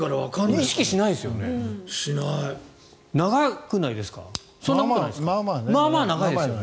意識しないですよね。